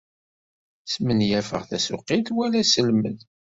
Smenyafeɣ tasuqilt wala asselmed.